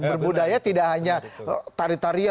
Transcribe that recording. berbudaya tidak hanya tari tarian